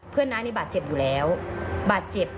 น้านี่บาดเจ็บอยู่แล้วบาดเจ็บ